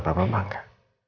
beneran papa bangga